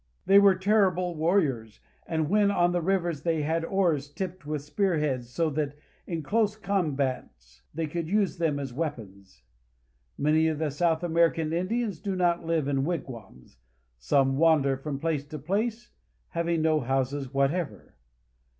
They were terrible warriors, and when on the rivers they had oars tipped with spearheads, so that in close combats they could use them as weapons. Many of the South American Indians do not live in wigwams. Some wander from place to place, having no houses whatever.